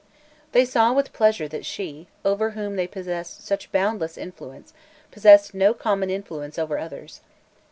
They saw with pleasure that she, over whom they possessed such boundless influence, possessed no common influence over others.